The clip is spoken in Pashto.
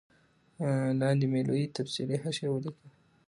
لاندي مي لوی تفصیلي حاشیه ولیکل